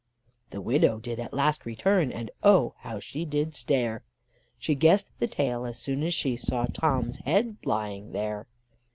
The widow did at last return, and oh! how she did stare, She guessed the tale as soon as she saw Tom's head lying there.